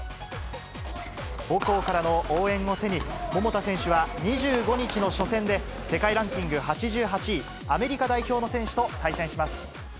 母校からの応援を背に、桃田選手は２５日の初戦で、世界ランキング８８位、アメリカ代表の選手と対戦します。